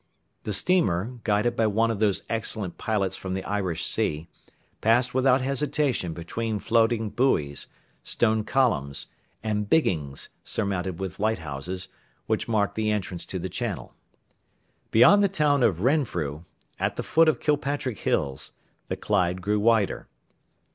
The steamer, guided by one of those excellent pilots from the Irish sea, passed without hesitation between floating buoys, stone columns, and biggings, surmounted with lighthouses, which mark the entrance to the channel. Beyond the town of Renfrew, at the foot of Kilpatrick hills, the Clyde grew wider.